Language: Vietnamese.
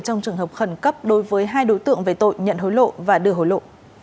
trong trường hợp khẩn cấp đối với hai đối tượng về tội nhận hối lộ và đưa hối lộ